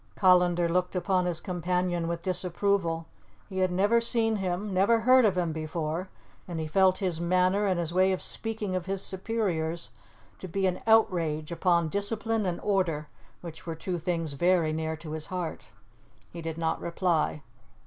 Callandar looked upon his companion with disapproval. He had never seen him, never heard of him before, and he felt his manner and his way of speaking of his superiors to be an outrage upon discipline and order, which were two things very near his heart. He did not reply.